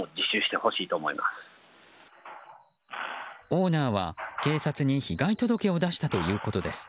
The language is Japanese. オーナーは警察に被害届を出したということです。